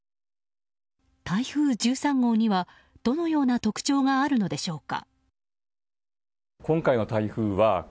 台風１３号には、どのような特徴があるのでしょうか。